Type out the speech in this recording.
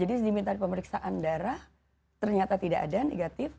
jadi diminta pemeriksaan darah ternyata tidak ada negatif